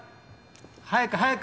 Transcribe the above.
早く早く！